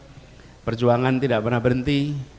dan perjuangan tidak pernah berhenti